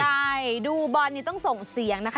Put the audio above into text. ใช่ดูบอลนี้ต้องส่งเสียงนะคะ